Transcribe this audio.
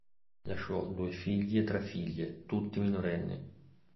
Lasciò due figli e tre figlie, tutti minorenni.